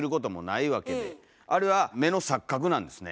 あれは目の錯覚なんですね。